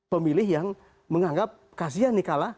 pemilih yang menganggap kasian nih kalah